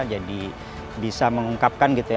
jadi bisa mengungkapkan gitu ya